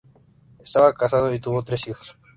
Estaba casado y tuvo tres hijos.